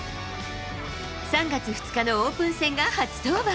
３月２日のオープン戦が初登板。